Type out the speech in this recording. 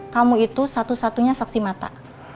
kamu itu satu satunya saksi mata